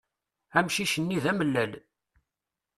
Amcic-nni d amellal.